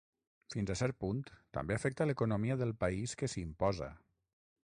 Fins a cert punt, també afecta l'economia del país que s'hi imposa.